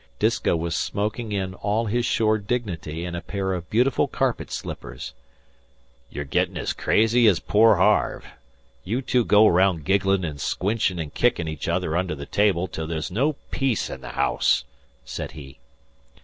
Disko was smoking in all his shore dignity and a pair of beautiful carpet slippers. "You're gettin' ez crazy as poor Harve. You two go araound gigglin' an' squinchin' an' kickin' each other under the table till there's no peace in the haouse," said he.